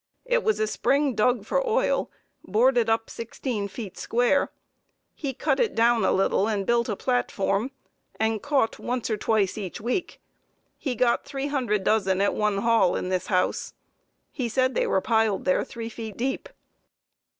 It was a spring dug for oil, boarded up sixteen feet square. He cut it down a little and built a platform, and caught once or twice each week. He got 300 dozen at one haul in this house. He said they were piled there three feet deep.